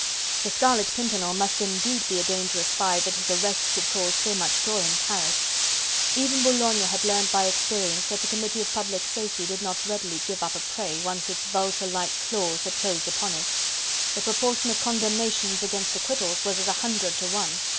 The Scarlet Pimpernel must indeed be a dangerous spy that his arrest should cause so much joy in Paris! Even Boulogne had learned by experience that the Committee of Public Safety did not readily give up a prey, once its vulture like claws had closed upon it. The proportion of condemnations as against acquittals was as a hundred to one.